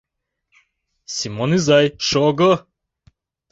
— Семон изай, шого!